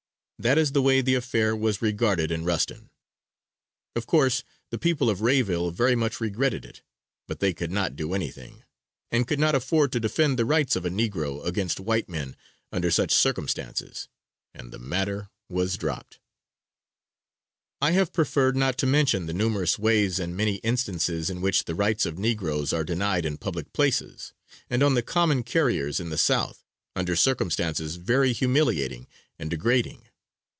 That is the way the affair was regarded in Ruston. Of course, the people of Rayville very much regretted it, but they could not do anything, and could not afford to defend the rights of a negro against white men under such circumstances, and the matter dropped. I have preferred not to mention the numerous ways and many instances in which the rights of negroes are denied in public places, and on the common carriers in the South, under circumstances very humiliating and degrading.